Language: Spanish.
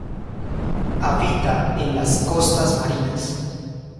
Habita en las costas marinas.